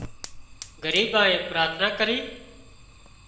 ڳريبائين پراٿنا ڪري